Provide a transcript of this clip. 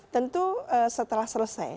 tentu setelah selesai